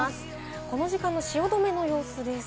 この時間の汐留の様子です。